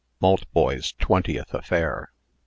MALTBOY'S TWENTIETH AFFAIR.